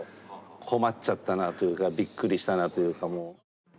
困っちゃったなというかびっくりしたなというかもう。